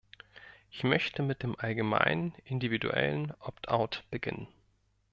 Ich möchte mit dem allgemeinen individuellen "Opt-out" beginnen.